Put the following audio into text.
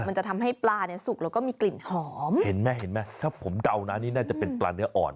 มันจะทำให้ปลาเนี่ยสุกแล้วก็มีกลิ่นหอมเห็นไหมเห็นไหมถ้าผมเดานะนี่น่าจะเป็นปลาเนื้ออ่อน